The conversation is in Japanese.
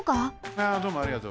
あどうもありがとう。